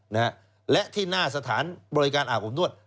นะฮะและที่หน้าสถานบริการอาบอบนวด